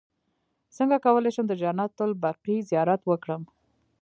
څنګه کولی شم د جنت البقیع زیارت وکړم